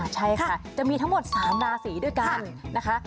ใช่ค่ะจะมีทั้งหมด๓ราศีด้วยกันนะคะ